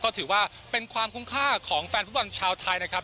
ก็ถือว่าเป็นความคุ้มค่าของแฟนฟุตบอลชาวไทยนะครับ